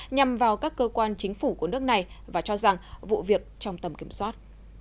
nhằm vào các cơ quan chính phủ của nước này và cho rằng vụ việc trong tầm kiểm soát